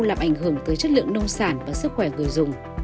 làm ảnh hưởng tới chất lượng nông sản và sức khỏe người dùng